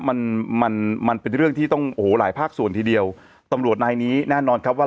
มันมันมันเป็นเรื่องที่ต้องโอ้โหหลายภาคส่วนทีเดียวตำรวจนายนี้แน่นอนครับว่า